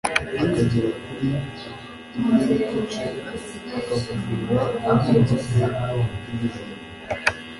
akagera kuri imwe n'igice, akavugurura ubuhinzi bwe bw'ibijumb